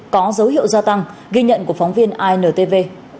có dấu hiệu gia tăng ghi nhận của phóng viên intv